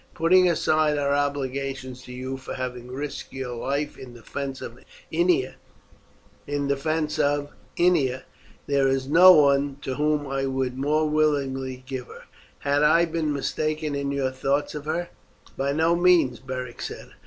Putting aside our obligations to you for having risked your life in defence of Ennia, there is no one to whom I would more willingly give her. Have I been mistaken in your thoughts of her?" "By no means," Beric said.